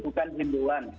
itu bukan hukuman